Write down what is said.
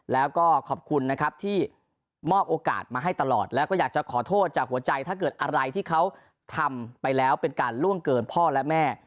แล้วก็ขอบคุณนะครับที่มอบโอกาสมาให้ตลอดแล้วก็อยากจะขอโทษจากหัวใจถ้าเกิดอะไรที่เขาทำไปแล้วเป็นการล่วงเกินพ่อและแม่